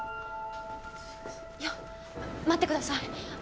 いや待ってください。